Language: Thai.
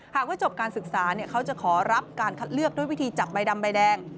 หากว่าจบการศึกษาเขาจะขอรับการคัดเลือกด้วยวิธีจับใบดำใบแดง